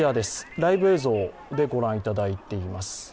ライブ映像で御覧いただいています。